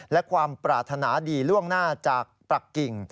และความปรารถนาดีล่วงหน้าจากปรักกิ่ง